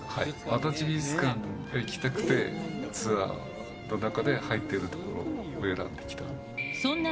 足立美術館が行きたくて、ツアーの中で、入ってるところを選んで来たんで。